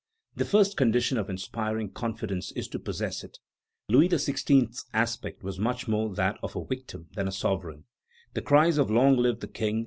The first condition of inspiring confidence is to possess it. Louis XVI.'s aspect was much more that of a victim than a sovereign. The cries of "Long live the King!"